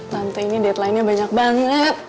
nanti ini deadline nya banyak banget